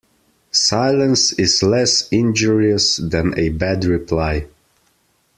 Silence is less injurious than a bad reply.